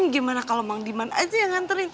gimana kalau mang diman aja yang nganterin